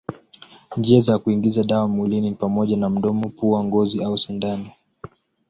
Njia za kuingiza dawa mwilini ni pamoja na mdomo, pua, ngozi au sindano.